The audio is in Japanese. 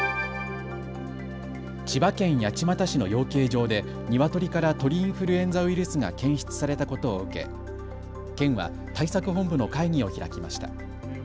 千葉県八街市の養鶏場でニワトリから鳥インフルエンザウイルスが検出されたことを受け県は対策本部の会議を開きました。